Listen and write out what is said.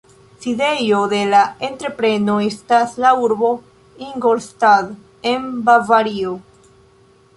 Sidejo de la entrepreno estas la urbo Ingolstadt en Bavario.